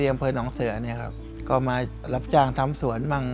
ที่อำเภอนองศ์เสือก็มารับจ้างทำสวนบ้าง